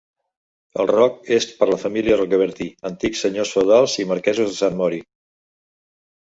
El roc és per la família Rocabertí, antics senyors feudals i marquesos de Sant Mori.